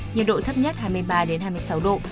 nhiệt độ thấp nhất hai mươi ba hai mươi sáu độ